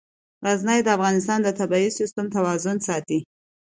غزني د افغانستان د طبعي سیسټم توازن ساتي.